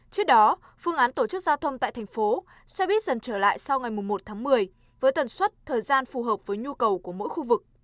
trước đó phương án tổ chức giao thông tại thành phố xe buýt dần trở lại sau ngày một tháng một mươi với tần suất thời gian phù hợp với nhu cầu của mỗi khu vực